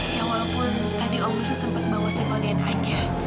ya walaupun tadi om wisnu sempat bawa sampel dna nya